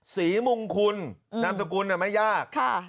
งงคุณนามสกุลไม่ยาก